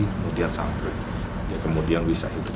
kemudian sampai dia kemudian bisa hidup